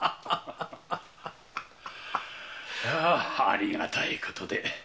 いやありがたいことで。